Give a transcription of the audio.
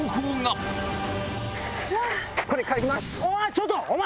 ちょっとお前！